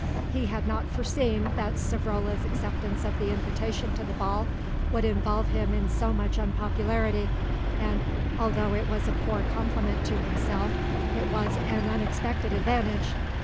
He had not foreseen that Savrola's acceptance of the invitation to the ball would involve him in so much unpopularity, and, although it was a poor compliment to himself, it was an unexpected advantage.